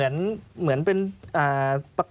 รับรับ